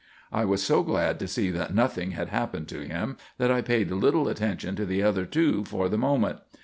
I was so glad to see that nothing had happened to him, that I paid little attention to the other two for the moment.